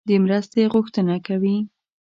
د مرستې غوښتنه کوي.